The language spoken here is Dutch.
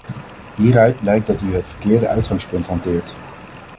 Hieruit blijkt dat u het verkeerde uitgangspunt hanteert.